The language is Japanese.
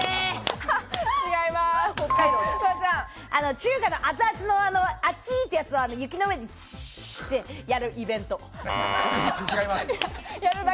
中華の熱々のあち！ってやつを雪の上でシュってやるイベント。